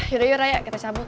yaudah yaudah ayo kita cabut